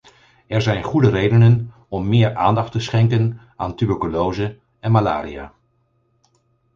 Er zijn goede redenen om meer aandacht te schenken aan tuberculose en malaria.